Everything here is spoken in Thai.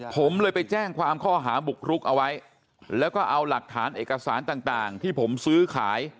ผมเลยไปแจ้งความข้อหาบุกรุกเอาไว้แล้วก็เอาหลักฐานเอกสารต่างที่ผมซื้อขาย